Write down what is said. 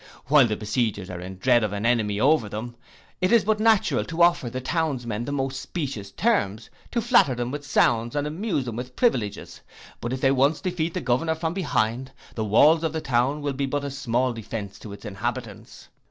While the besiegers are in dread of an enemy over them, it is but natural to offer the townsmen the most specious terms; to flatter them with sounds, and amuse them with privileges: but if they once defeat the governor from behind, the walls of the town will be but a small defence to its inhabitants.